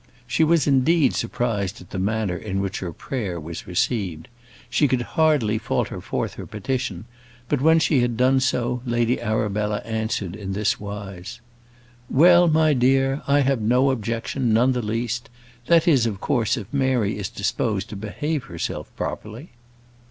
She was indeed surprised at the manner in which her prayer was received. She could hardly falter forth her petition; but when she had done so, Lady Arabella answered in this wise: "Well my dear, I have no objection, none the least; that is, of course, if Mary is disposed to behave herself properly."